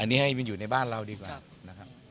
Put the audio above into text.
อันนี้ให้มันอยู่ในบ้านเราดีกว่านะครับ